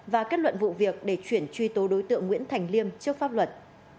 và kết luận vụ việc để chuyển truy tố đối tượng nguyễn thành liêm trước pháp luật